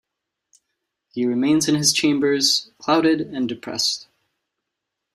He remains in his chambers, clouded and depressed.